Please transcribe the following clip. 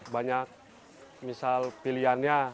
banyak misal pilihannya